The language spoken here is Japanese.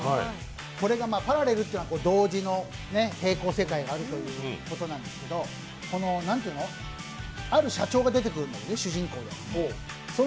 これがまたパラレルというのは同時の並行世界があるということなんですけど、ある社長が出てくるのね、主人公の。